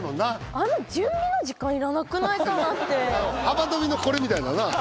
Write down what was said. あの準備の時間いらなくないかなって幅跳びのこれみたいなな・